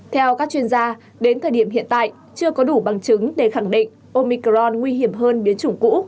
theo các chuyên gia đến thời điểm hiện tại chưa có đủ bằng chứng để khẳng định omicron nguy hiểm hơn biến chủng cũ